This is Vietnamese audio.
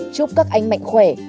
chúc các anh mạnh khỏe